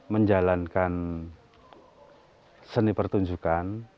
menjalankan seni pertunjukan